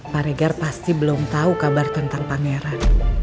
pak regar pasti belum tau kabar tentang pangeran